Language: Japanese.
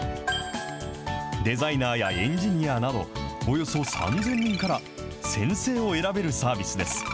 デザイナーやエンジニアなど、およそ３０００人から、先生を選べるサービスです。